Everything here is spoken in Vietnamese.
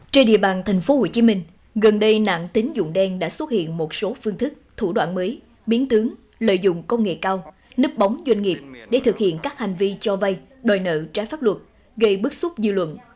trên địa bàn tp hcm gần đây nạn tính dụng đen đã xuất hiện một số phương thức thủ đoạn mới biến tướng lợi dụng công nghệ cao nếp bóng doanh nghiệp để thực hiện các hành vi cho vay đòi nợ trái pháp luật gây bức xúc dư luận